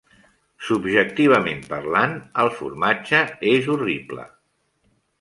Subjectivament parlant, el formatge és horrible.